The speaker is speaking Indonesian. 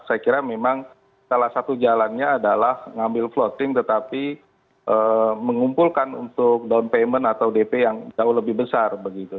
saya kira memang salah satu jalannya adalah ngambil floating tetapi mengumpulkan untuk down payment atau dp yang jauh lebih besar begitu